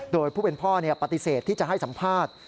โดยผู้เป็นพ่อปฏิเสธที่จะให้สัมภาษณ์